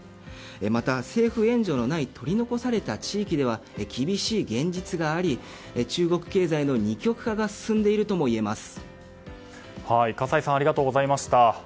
また、政府援助のない取り残された地域では厳しい現実があり中国経済の二極化が葛西さんありがとうございました。